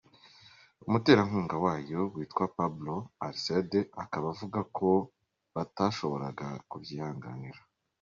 Umuterankunga wayo witwa Pablo Alcaide akaba avuga ko batashoboraga kubyihanganira.